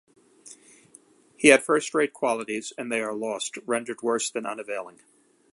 His had first-rate qualities, and they are lost: rendered worse than unavailing.